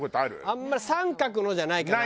あんまり三角のじゃないかな。